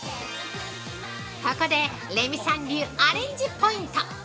◆ここで、レミさん流アレンジポイント！